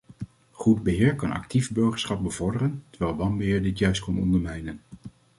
Goed beheer kan actief burgerschap bevorderen, terwijl wanbeheer dit juist kan ondermijnen.